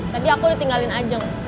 tadi aku ditinggalin ajeng